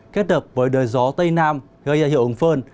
kết hợp với đới gió tây nam gây ra hiệu ứng phơn